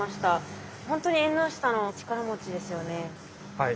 はい。